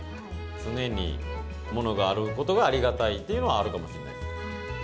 常に物があることがありがたいというのはあるかもしれないです。